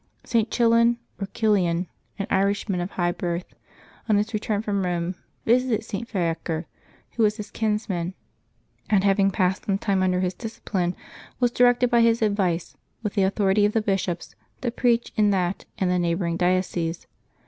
St. Chillen, or Kilian, an Irishman of high birth, on his return from Eome, visited St. Fiaker, who was his kinsman, and having passed some time under his discipline, was directed by his advice, with the authority of the bishops, to preach in that and the neighboring dioceses.